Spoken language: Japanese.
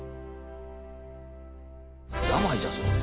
病じゃそうで。